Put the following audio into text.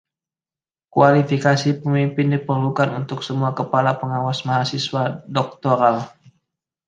Kualifikasi pemimpin diperlukan untuk semua kepala pengawas mahasiswa doktoral.